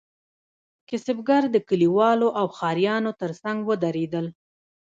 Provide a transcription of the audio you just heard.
کسبګر د کلیوالو او ښاریانو ترڅنګ ودریدل.